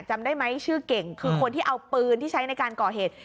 จำได้ไหมชื่อเก่งคือคนที่เอาปืนที่ใช้ในการก่อเหตุ